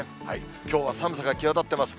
きょうは寒さが際立ってます。